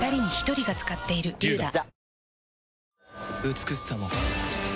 美しさも